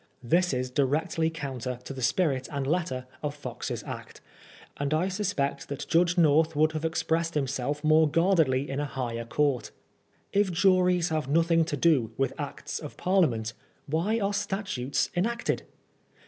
This is directly counter to the spirit and letter of Fox's Act ; and I suspect that Judge North would have expressed himself more f?uardedly in a higher court. If juries have nothing to do with Acts of Parliament, why are statutes en acted